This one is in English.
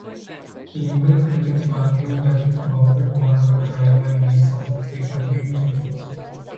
Legal critics argued that Bobbitt won her trial by means of the abuse defense.